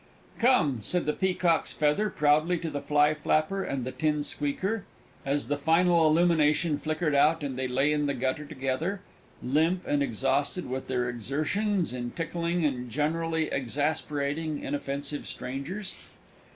"Come!" said the Peacock's Feather proudly to the Fly flapper and the Tin Squeaker, as the final illumination flickered out and they lay in the gutter together, limp and exhausted with their exertions in tickling and generally exasperating inoffensive strangers.